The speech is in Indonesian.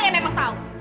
iya saya memang tau